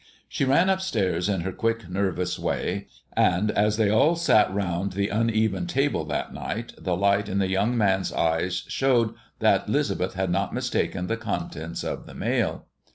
She ran up stairs in her quick, nervous way, and, as they all sat round the uneven table that night, the light in the young man's eyes showed that 'Lisbeth had not mistaken the contents of the mail.